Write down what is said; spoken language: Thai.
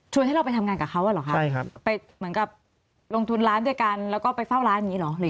ให้เราไปทำงานกับเขาอ่ะเหรอคะไปเหมือนกับลงทุนร้านด้วยกันแล้วก็ไปเฝ้าร้านอย่างนี้เหรอ